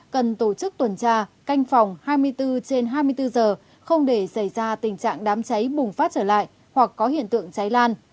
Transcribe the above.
cần tổ chức tuần tra canh phòng hai mươi bốn trên hai mươi bốn giờ không để xảy ra tình trạng đám cháy bùng phát trở lại hoặc có hiện tượng cháy lan